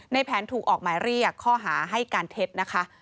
ในแผนถูกออกหมายเรียกข้อหาให้การเท็จนะคะ